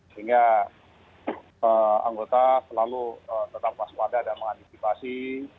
sehingga anggota selalu tetap waspada dan mengantisipasi